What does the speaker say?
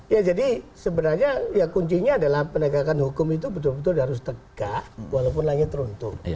ya jadi sebenarnya ya kuncinya adalah penegakan hukum itu betul betul harus tegak walaupun lanya teruntung